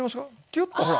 キュッとほら。